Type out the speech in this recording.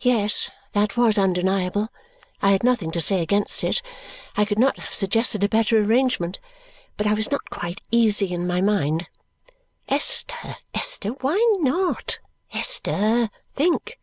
Yes. That was undeniable. I had nothing to say against it. I could not have suggested a better arrangement, but I was not quite easy in my mind. Esther, Esther, why not? Esther, think!